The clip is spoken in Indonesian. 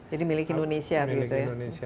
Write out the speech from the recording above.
jadi miliki indonesia gitu ya